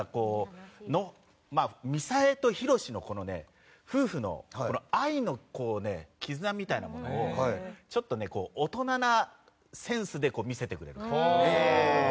みさえとひろしの夫婦の愛の絆みたいなものをちょっと大人なセンスで見せてくれる。